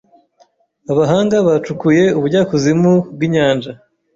abahanga bacukuye ubujyakuzimu bwinyanja